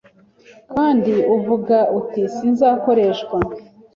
kandi uvuga uti Sinzakoreshwa